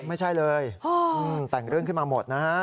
ไม่ใช่เลยแต่งเรื่องขึ้นมาหมดนะฮะ